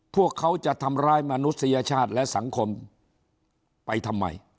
พวกเขาจะทำร้ายมนุษยชาติและสังคมไปทำไม